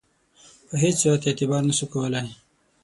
په هیڅ صورت اعتبار نه سو کولای.